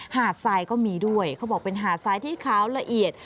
หาดทรายก็มีด้วยเขาบอกเป็นหาดทรายที่ขาวละเอียด